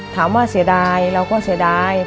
ถามว่าเสียดายเราก็เสียดาย